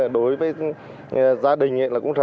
đối với gia đình